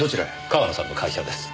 川野さんの会社です。